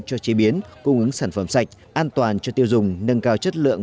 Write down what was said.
cho chế biến cung ứng sản phẩm sạch an toàn cho tiêu dùng nâng cao chất lượng